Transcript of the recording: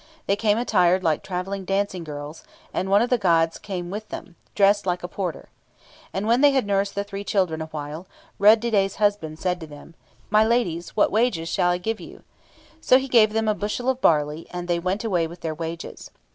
They came attired like travelling dancing girls; and one of the gods came with them, dressed like a porter. And when they had nursed the three children awhile, Rud didet's husband said to them, "My ladies, what wages shall I give you?" So he gave them a bushel of barley, and they went away with their wages.